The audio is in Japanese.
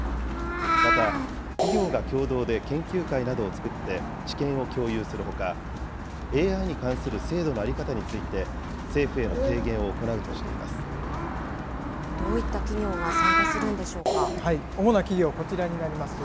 また、企業が共同で研究会などを作って知見を共有するほか、ＡＩに関する制度の在り方について、政府への提言を行うとしていどういった企業が参加するん主な企業、こちらになります。